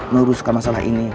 menguruskan masalah ini